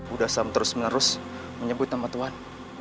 udhasham terus menerus menyebut nama tuan